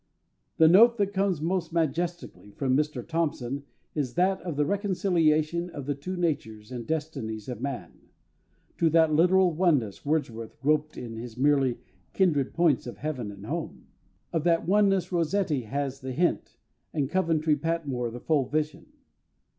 The note that comes most majestically from Mr THOMPSON is that of the reconciliation of the two natures and destinies of man. To that literal oneness WORDSWORTH groped in his merely "kindred points of heaven and home." Of that oneness ROSSETTI has the hint, and COVENTRY PATMORE the full vision.